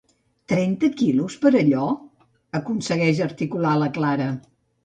Trenta quilos per allò? —aconsegueix articular la Clara.